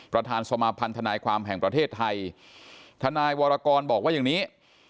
ประธานสมาพันธนายความแห่งประเทศไทยทนายวรกรบอกว่าอย่างนี้